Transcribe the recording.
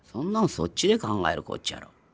そっちで考えるこっちゃろ。